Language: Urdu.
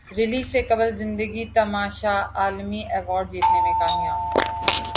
ریلیز سے قبل زندگی تماشا عالمی ایوارڈ جیتنے میں کامیاب